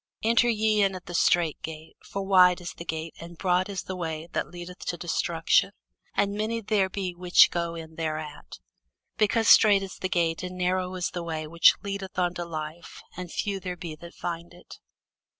Enter ye in at the strait gate: for wide is the gate, and broad is the way, that leadeth to destruction, and many there be which go in thereat: because strait is the gate, and narrow is the way, which leadeth unto life, and few there be that find it.